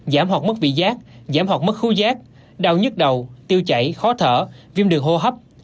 giảm hoặc mất vị giác giảm hoặc mất thú giác đau nhức đầu tiêu chảy khó thở viêm đường hô hấp